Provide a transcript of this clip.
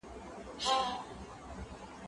زه بايد لوبه وکړم،